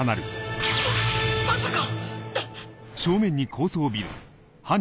ままさか⁉